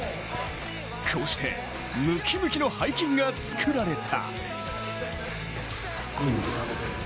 こうして、ムキムキの背筋が作られた。